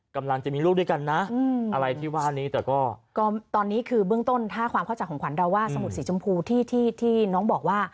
กำลังจะมีลูกด้วยกันนะอะไรที่ว่านี้แต่ก็ตอนนี้คือเบื้องต้นถ้าความเข้าใจของขวัญเดาว่าสมุดสีชมพูที่ที่น้องบอกว่า